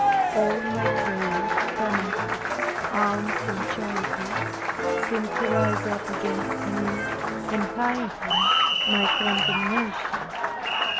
All my prayers, penances, alms and charities, seemed to rise up against me, and heighten my condemnation.